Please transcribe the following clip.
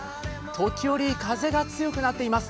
時折、風が強くなっています。